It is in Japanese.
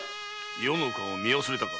余の顔を見忘れたか。